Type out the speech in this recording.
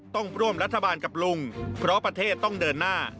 ต้องร่วมรัฐบาลกับลุงเพราะประเทศต้องเดินหน้า